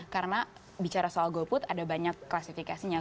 karena bicara soal goal put ada banyak klasifikasinya